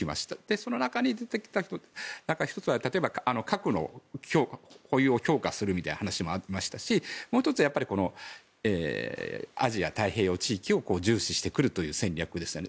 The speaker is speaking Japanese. その中に出てきた１つは、例えば核の保有を強化するみたいな話もありましたしもう１つは、アジア太平洋地域を重視してくるという戦略ですよね。